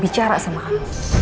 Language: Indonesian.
bicara sama kamu